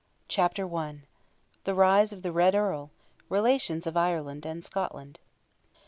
CHAPTER I. THE RISE OF "THE RED EARL"—RELATIONS OF IRELAND AND SCOTLAND.